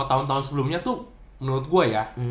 kalo tahun tahun sebelumnya tuh menurut gua ya